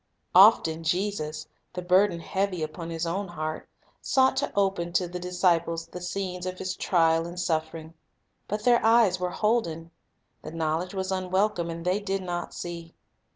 Often Jesus, the burden heavy upon His own heart, sought to open to the disciples the scenes of His trial and suffering. But their eyes were holden. The knowl edge was unwelcome, and they did not see.